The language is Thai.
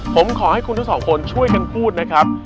ผมขอให้คุณทั้งสองคนช่วยกันพูดนะครับ